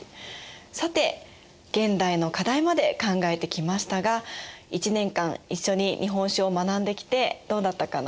さて現代の課題まで考えてきましたが一年間一緒に日本史を学んできてどうだったかな？